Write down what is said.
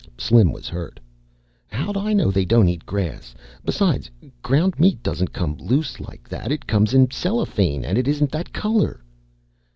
Slim was hurt. "How'd I know they don't eat grass. Besides, ground meat doesn't come loose like that. It comes in cellophane and it isn't that color."